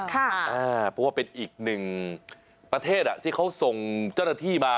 เพราะว่าเป็นอีกหนึ่งประเทศที่เขาส่งเจ้าหน้าที่มา